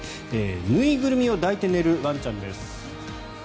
縫いぐるみを抱いて寝るワンちゃんです。